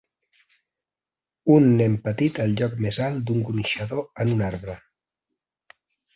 Un nen petit al lloc més alt d'un gronxador en un arbre.